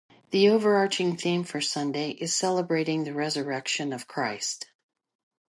The overarching theme for Sunday is celebrating the Resurrection of Christ.